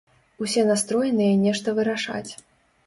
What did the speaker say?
Усе настроеныя нешта вырашаць.